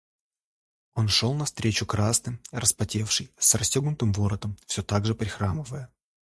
Он шел навстречу красный, распотевший, с расстегнутым воротом, всё так же прихрамывая.